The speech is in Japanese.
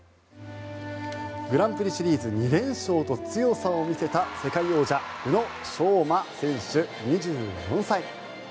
グランプリシリーズ２連勝と強さを見せた世界王者・宇野昌磨選手２４歳。